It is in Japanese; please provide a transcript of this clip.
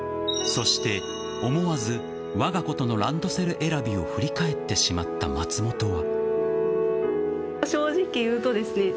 そして思わずわが子とのランドセル選びを振り返ってしまった松本は。